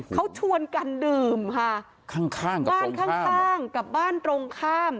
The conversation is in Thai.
เขาชวนกันดื่มค่ะข้างข้างบ้านข้างข้างกับบ้านตรงข้าม